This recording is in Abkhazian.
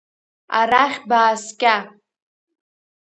Арахь бааскьа!